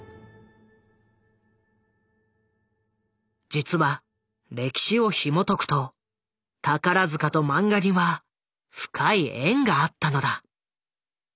実は歴史をひもとくと宝塚とマンガには深い縁があったのだ。